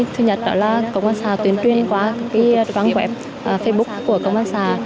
thứ nhật là công an xã tuyên truyền qua các quán web facebook của công an xã